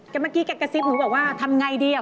กับเมื่อกี้แกกระซิบหนูบอกว่าทำอย่างไรดี